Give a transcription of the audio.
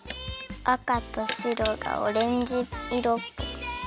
あかとしろがオレンジいろ。